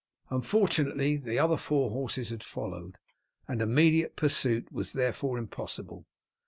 Unfortunately the other four horses had followed, and immediate pursuit was therefore impossible.